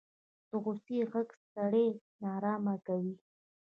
د غوسې غږ سړی نارامه کوي